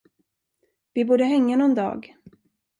Vi borde hänga någon dag.